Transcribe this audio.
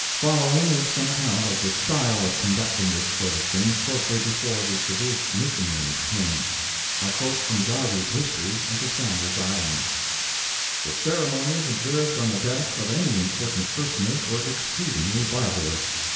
Following is some account of the style of conducting this sort of thing shortly before the traduced missionaries came. I quote from Jarves' History of the Sandwich Islands: "The ceremonies observed on the death of any important personage were exceedingly barbarous.